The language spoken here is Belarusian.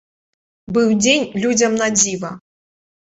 Быў дзень людзям на дзіва.